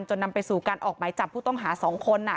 นำไปสู่การออกหมายจับผู้ต้องหา๒คน